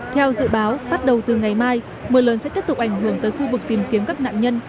theo dự báo bắt đầu từ ngày mai mưa lớn sẽ tiếp tục ảnh hưởng tới khu vực tìm kiếm các nạn nhân